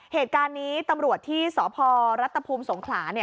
เหตุการณ์นี้ตำรวจที่สพรัฐภูมิสงขลา